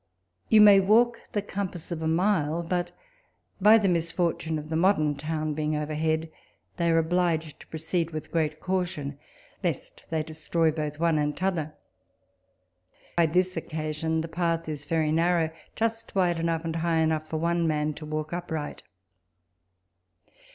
You may walk the compass of a mile ; but by the misfortune of the modem town being overhead, they are obliged to proceed with great caution, lest they destroy both one ajid t'other. By this occasion the path is very narrow, just wide enough and high enough for one man to walk upright.